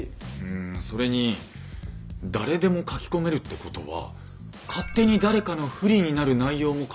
んそれに誰でも書き込めるってことは勝手に誰かの不利になる内容も書けるわけですよね？